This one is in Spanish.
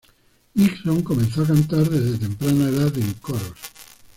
Nixon comenzó a cantar desde temprana edad en coros.